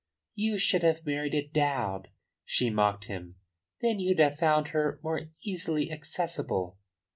"You should have married a dowd," she mocked him. "Then you'd have found her more easily accessible."